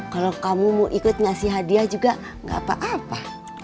kalau kamu mau ikut ngasih hadiah juga gak apa apa